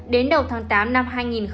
đến đầu tháng tám năm hai nghìn hai mươi